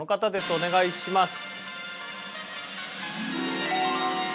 お願いします。